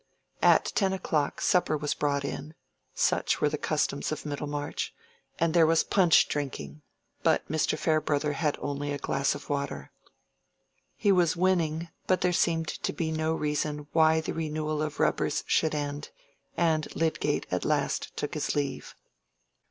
At ten o'clock supper was brought in (such were the customs of Middlemarch) and there was punch drinking; but Mr. Farebrother had only a glass of water. He was winning, but there seemed to be no reason why the renewal of rubbers should end, and Lydgate at last took his leave.